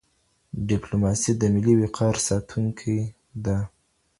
ډیپلوماسي د ملي وقار ساتونکې ده.